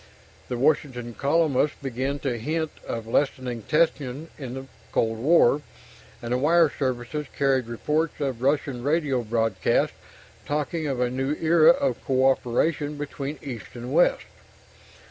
The Washington columnists began to hint of lessening tension in the cold war, and the wire services carried reports of Russian radio broadcasts talking of a new era of cooperation between East and West.